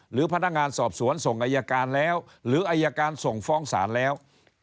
หรือพัทงานสอบสวนส่งอายการแล้ว